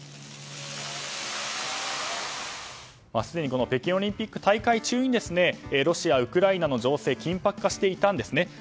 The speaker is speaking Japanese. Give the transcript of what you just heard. すでに北京オリンピック大会中にロシアとウクライナの情勢は緊迫化していたんですね。